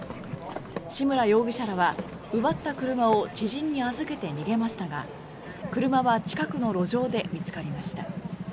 志村容疑者らは奪った車を知人に預けて逃げましたが車は近くの路上で見つかりました。